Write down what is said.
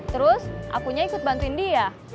terus akunya ikut bantuin dia